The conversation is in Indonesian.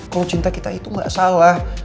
kalau cinta kita itu gak salah